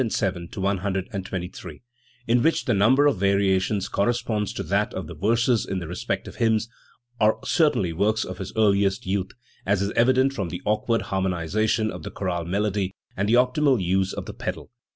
107 123), in which the number of variations corresponds to that of the verses in the respective hymns, are certainly works of his earliest youth, as is evident from the awkward har monisation of the chorale melody and the optional use of the pedal.